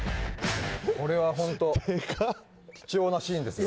これはほんと貴重なシーンですよ。